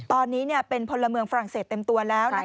ตอนนี้เป็นพลเมืองฝรั่งเศสเต็มตัวแล้ว